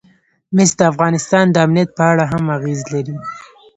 مس د افغانستان د امنیت په اړه هم اغېز لري.